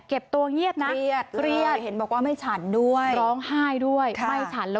เก็บตัวเงียบน่ะเครียดเลยร้องหายด้วยไม่ฉัน